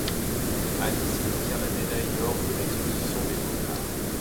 A Nice, il obtient la médaille d’or à l’Exposition des beaux-arts.